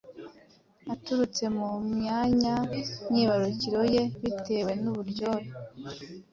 aturutse mu myanya myibarukiro ye bitewe n’uburyohe